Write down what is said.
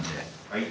はい。